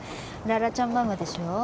羅羅ちゃんママでしょう？